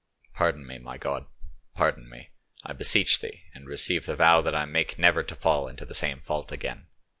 Pardon me, my God, pardon me, I beseech Thee, and receive the vow that I make never to fall into the same fault again.